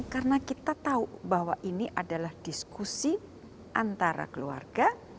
karena kita tahu bahwa ini adalah diskusi antara keluarga